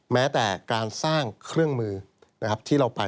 แม้แต่การสร้างเครื่องมือที่เราไป